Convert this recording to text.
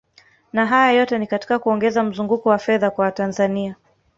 Na haya yote ni katika kuongeza mzunguko wa fedha kwa Watanzania